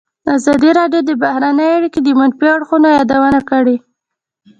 ازادي راډیو د بهرنۍ اړیکې د منفي اړخونو یادونه کړې.